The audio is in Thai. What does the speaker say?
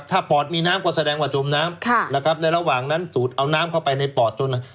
ถ้าปอดมีน้ำก็แสดงว่าจมน้ำนะครับในระหว่างนั้นสูดเอาน้ำเข้าไปในปอดจน